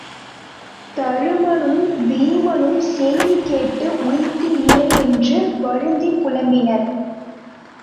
தருமனும் வீமனும் செய்தி கேட்டு உய்தி இல்லை என்று வருந்திப் புலம்பினர்.